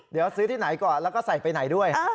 เดี๋ยวซื้อที่ไหนก่อนแล้วก็ใส่ไปไหนด้วย